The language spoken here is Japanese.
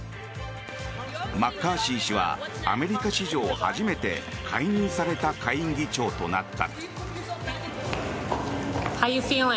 マッカーシー氏はアメリカ史上初めて解任された下院議長となった。